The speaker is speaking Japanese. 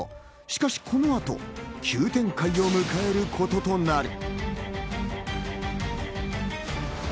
しかしこの後、急展開を迎えることとなる。